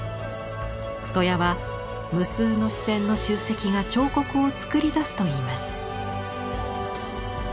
戸谷は「無数の視線の集積が彫刻を作り出す」と言います。